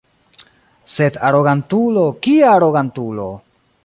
Sed arogantulo, kia arogantulo!